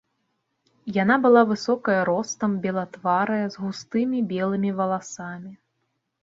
Яна была высокая ростам, белатварая, з густымі белымі валасамі.